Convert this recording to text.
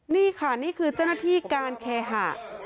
นี่ค่ะนี่คือเจ้าหน้าที่การเคหะ